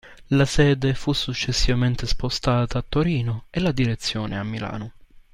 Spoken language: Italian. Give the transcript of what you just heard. La sede fu successivamente spostata a Torino e la direzione a Milano.